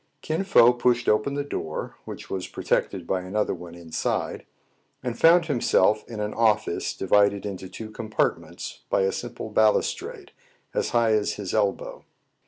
• Kin Fo pushed open the door, which was pro tected by another one inside, and found himself in an office divided into two compartments by a simple balustrade, as high as his elbow.